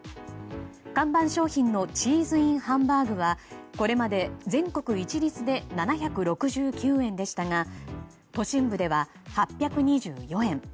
看板商品のチーズＩＮハンバーグはこれまで全国一律で７６９円でしたが都心部では８２４円